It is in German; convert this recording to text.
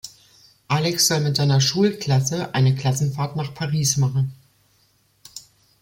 Alex soll mit seiner Schulklasse eine Klassenfahrt nach Paris machen.